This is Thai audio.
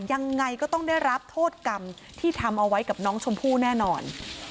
ยังไงก็ต้องได้รับโทษกรรมที่ทำเอาไว้กับน้องชมพู่แน่นอน